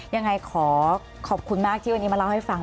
ยังไงขอขอบคุณมากที่วันนี้มาเล่าให้ฟัง